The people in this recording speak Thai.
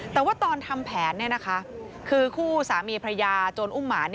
แต่ว่าตอนทำแผนคือคู่สามีพระยาโจรอุ้มหมา